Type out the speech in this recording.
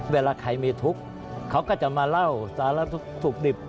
เวลาใครมีทุกข์เขาก็จะมาเล่าสารทุกข์สุขดิบ